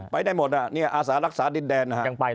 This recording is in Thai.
ไปได้หมดนี่อาศรักษารักษาดินแดน